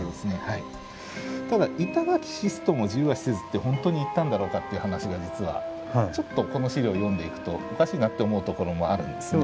ただ「板垣死すとも自由は死せず」って本当に言ったんだろうかって話が実はちょっとこの資料を読んでいくとおかしいなと思うところもあるんですね。